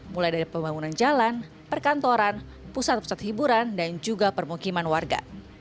mulai dari pembangunan jalan perkantoran pusat pusat hiburan dan juga permukiman warga